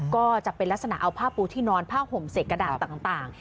ก็จะเป็นลักษณะเอาผ้าปูที่นอนผ้าห่มเสกกระดาษต่าง